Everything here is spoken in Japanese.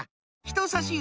ひとさし